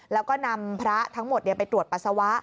แล้วก็นำพระทั้งหมดไปตรวจปัสสาวะ